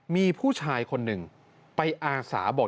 มีผู้ชายคนหนึ่งไปอาสาบอก